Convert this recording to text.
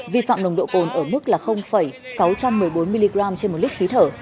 vi phạm nồng độ cồn ở mức sáu trăm một mươi bốn mg trên một lít khí thở